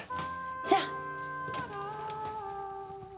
じゃあ！